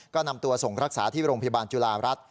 ก็นำตัวส่งรักษาที่โรงพยาบาลจุฬารัฐ